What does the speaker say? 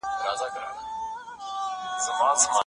که ته ځان وپیژنې نو نړۍ به وپیژنې.